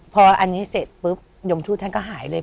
พออันนี้เสร็จปุ๊บยมทูตท่านก็หายเลย